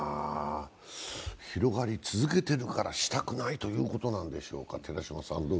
広がり続けているからしたくないということなんでしょうか。